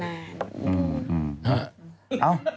อ้าวมาล่ะ